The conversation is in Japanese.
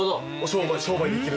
商売できる。